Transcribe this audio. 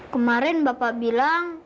kemarin bapak bilang